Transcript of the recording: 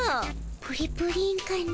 プリプリンかの。